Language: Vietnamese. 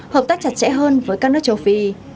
hợp tác chặt chẽ hơn với các nước châu phi